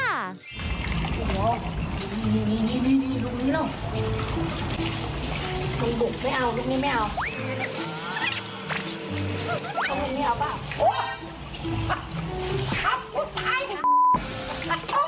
โหนี่ลูกนี้ล่ะ